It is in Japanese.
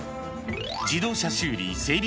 自動車修理整備